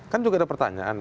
kan juga ada pertanyaan